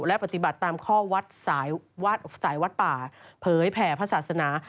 และปฏิบัติตามข้อวัดสายวัดป่าเผยแผ่พระศาสนา